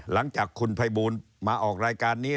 หลังจากคุณภัยบูลมาออกรายการนี้